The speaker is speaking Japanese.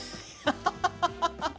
ハハハハッ！